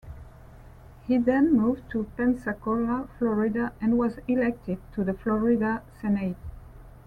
He then moved to Pensacola, Florida and was elected to the Florida Senate.